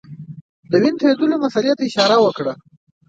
د وینو تویېدلو مسلې ته اشاره وکړه.